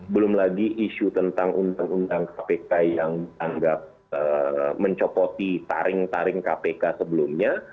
belum lagi isu tentang undang undang kpk yang anggap mencopoti taring taring kpk sebelumnya